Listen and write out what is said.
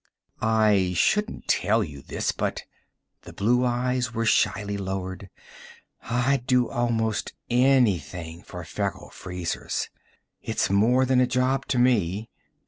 "I shouldn't tell you this, but " the blue eyes were shyly lowered "I'd do almost anything for Feckle Freezers. It's more than a job to me."